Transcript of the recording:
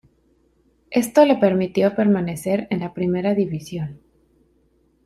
Esto le permitió permanecer en la primera división.